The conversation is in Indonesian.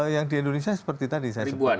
yang di indonesia seperti tadi saya sebutkan